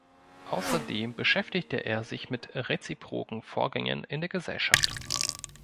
Außerdem beschäftigte er sich mit reziproken Vorgängen in der Gesellschaft.